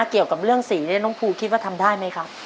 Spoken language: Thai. เกี่ยวกับเรื่องสีเนี่ยน้องภูคิดว่าทำได้ไหมครับ